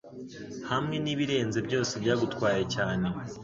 hamwe nibirenze byose byagutwaye cyane